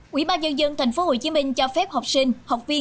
quỹ ban nhân dân tp hcm cho phép học sinh học viên